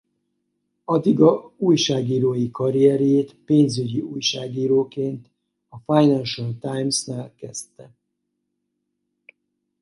Adiga újságírói karrierjét pénzügyi újságíróként a Financial Timesnál kezdte.